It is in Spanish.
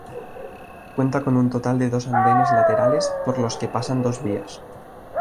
Cuenta con un total de dos andenes laterales, por los que pasan dos vías.